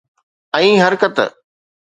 ۽ حرڪت